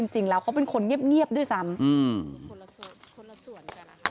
จริงแล้วเขาเป็นคนเงียบด้วยซ้ำอืม